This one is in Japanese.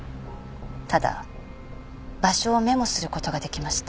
ただ場所をメモすることができました。